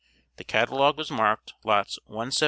The catalogue was marked "Lots 172 179."